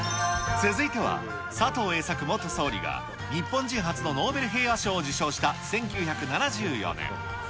続いては、佐藤栄作元総理が、日本人初のノーベル平和賞を受賞した１９７４年。